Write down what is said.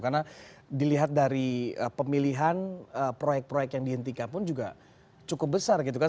karena dilihat dari pemilihan proyek proyek yang dihentikan pun juga cukup besar gitu kan